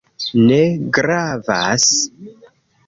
Ne gravas